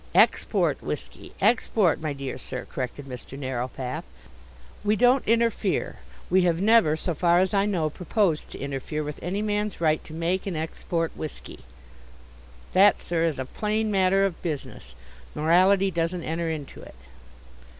"Export whisky export, my dear sir," corrected Mr. Narrowpath. "We don't interfere, we have never, so far as I know, proposed to interfere with any man's right to make and export whisky. That, sir, is a plain matter of business; morality doesn't enter into it."